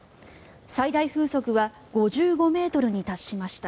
最大風速は５５ｍに達しました。